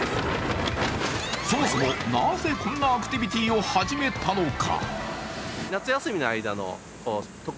そもそも、なぜこんなアクティビティーを始めたのか。